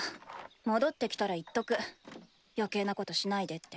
戻ってきたら言っとく余計なことしないでって。